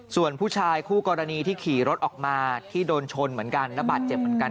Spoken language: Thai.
ส่วนผู้ชายคู่กรณีที่ขี่รถออกมาที่โดนชนเหมือนกันระบาดเจ็บเหมือนกัน